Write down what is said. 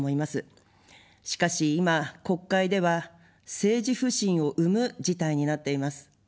しかし今、国会では政治不信を生む事態になっています。